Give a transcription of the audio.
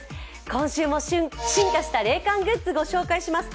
今週も進化した冷感グッズをご紹介します。